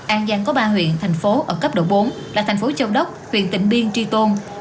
an giang có ba huyện thành phố ở cấp độ bốn là thành phố châu đốc huyện tỉnh biên tri tôn